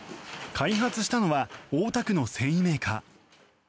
開発したのは大田区の繊維メーカー。